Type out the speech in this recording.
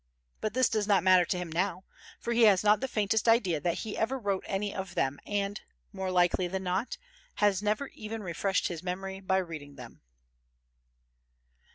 But this does not matter to him now, for he has not the faintest idea that he ever wrote any of them and, more likely than not, has never even refreshed his memory by reading them.